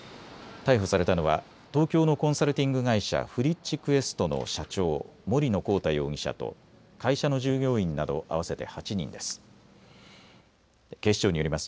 逮捕されたのは東京のコンサルティング会社ＦＲｉｃｈＱｕｅｓｔの社長、森野広太容疑者と会社の従業員など合わせて８人です。